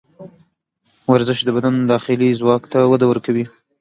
ورزش د بدن داخلي ځواک ته وده ورکوي.